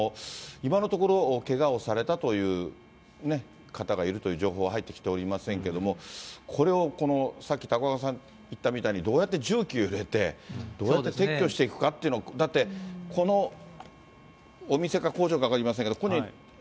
今のところ、けがをされたというね、方がいるという情報は入ってきておりませんけども、これを、さっき高岡さん言ったみたいに、どうやって重機を入れて、どうやって撤去していくかっていうの、だって、このお店か工場か分かりませんけれども。